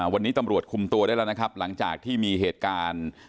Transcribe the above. วันนี้ตำรวจคุมตัวได้แล้วนะครับหลังจากที่มีเหตุการณ์